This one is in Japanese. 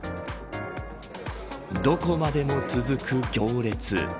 どこまでも続く行列。